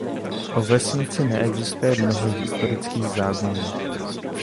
O vesnici neexistuje mnoho historických záznamů.